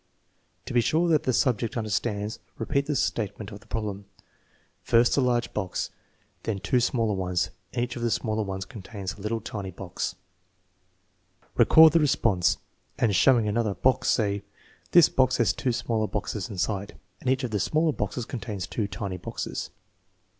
" To be sure that the subject understands repeat the statement of the problem: " First the large box, then two smaller ones, and each of the smaller ones contains a little tiny box" Record the response, and, showing another box, say: " This box has two smaller boxes inside, and each of the smaller boxes contains two tiny boxes.